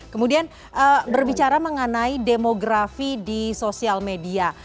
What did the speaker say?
kemudian berbicara mengenai demografi di sosial media